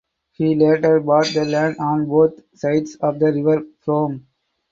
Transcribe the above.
He later bought the land on both sides of the River Frome.